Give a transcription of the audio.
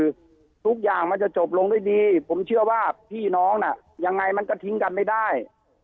คือทุกอย่างมันจะจบลงด้วยดีผมเชื่อว่าพี่น้องน่ะยังไงมันก็ทิ้งกันไม่ได้